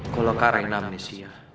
kalau karena amnesia